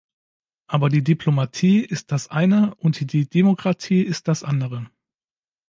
Aber die Diplomatie ist das eine, und die Demokratie ist das andere.